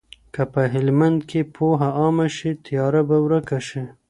که په هلمند کي پوهه عامه شي، تیاره به ورک شي.